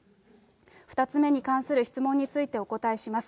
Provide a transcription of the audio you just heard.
２つ目に関する質問についてお答えします。